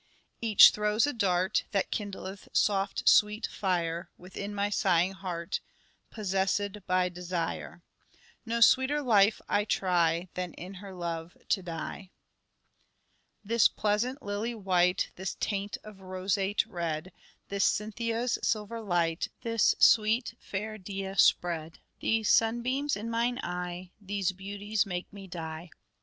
. Each throws a dart That kindleth soft sweet fire : Within my sighing heart Possessed by Desire. MANHOOD OF DE VERE : MIDDLE PERIOD 315 No sweeter life I try Than in her love to die." " This pleasant lily white, This taint of roseate red ; This Cynthia's silver light, This sweet fair Dea spread ; These sunbeams in mine eye, These beauties make me die."